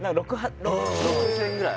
６６０００円ぐらい？